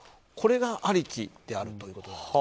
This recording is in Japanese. これがありきであるということ。